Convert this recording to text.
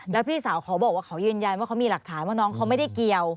แล้วพี่สาวเขาบอกว่าเขายืนยันว่าเขามีหลักฐานว่าน้องเขาไม่ได้เกี่ยว